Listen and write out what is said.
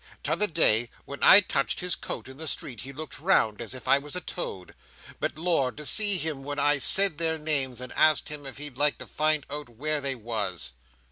T'other day when I touched his coat in the street, he looked round as if I was a toad. But Lord, to see him when I said their names, and asked him if he'd like to find out where they was!"